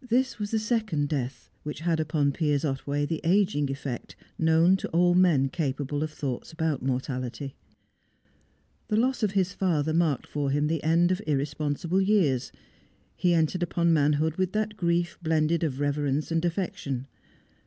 This was the second death which had upon Piers Otway the ageing effect known to all men capable of thoughts about mortality. The loss of his father marked for him the end of irresponsible years; he entered upon manhood with that grief blended of reverence and affection.